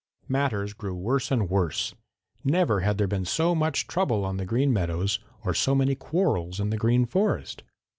"Matters grew worse and worse. Never had there been so much trouble on the Green Meadows or so many quarrels in the Green Forest.